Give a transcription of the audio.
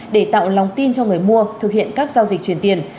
để tạo lòng tin cho người mua thực hiện các giao dịch truyền tiền